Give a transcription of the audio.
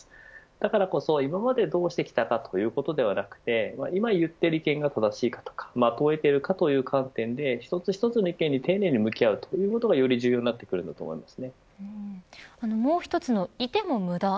だからこそ、今まどうしてきたかということではなくて今、言っている意見が正しいかとか的を得ているかという観点で一つ一つの意見に丁寧に向き合うことがより重要になってくると思います。